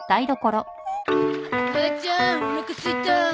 母ちゃんおなかすいた。